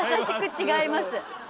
「違います」。